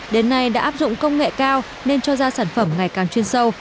đến nay đã áp dụng công nghệ cao nên cho ra sản phẩm ngày càng chuyên sâu